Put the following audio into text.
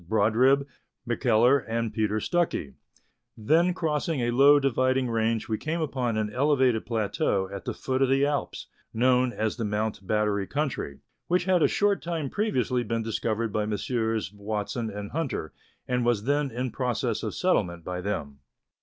Brodribb, McKellar, and Peter Stuckey; then crossing a low dividing range we came upon an elevated plateau at the foot of the Alps, known as the Mount Battery country, which had a short time previously been discovered by Messrs. Watson and Hunter, and was then in process of settlement by them.